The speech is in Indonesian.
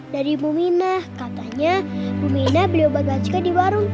dari bu mina katanya bu mina beli obat gancungnya di warung